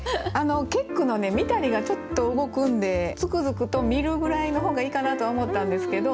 結句の「見たり」がちょっと動くんで「つくづくと見る」ぐらいの方がいいかなとは思ったんですけど。